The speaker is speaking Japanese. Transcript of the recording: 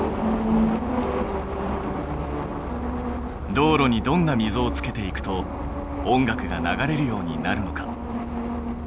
道路にどんなみぞをつけていくと音楽が流れるようになるのか探究せよ！